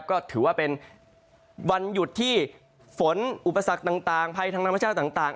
ก็ถือว่าเป็นวันหยุดที่ฝนอุปสรรคต่างภัยทางธรรมชาติต่าง